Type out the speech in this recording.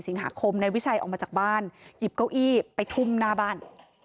สิงหาคมนายวิชัยออกมาจากบ้านหยิบเก้าอี้ไปทุ่มหน้าบ้าน